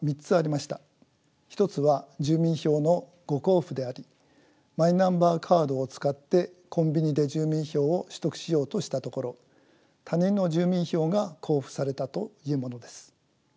１つは住民票の誤交付でありマイナンバーカードを使ってコンビニで住民票を取得しようとしたところ他人の住民票が交付されたというものです。